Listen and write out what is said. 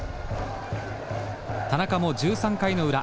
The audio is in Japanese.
田中も１３回の裏。